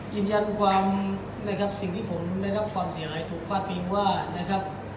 ยืนยันความนะครับสิ่งที่ผมได้รับความเสียหายถูกพาดพิงว่านะครับ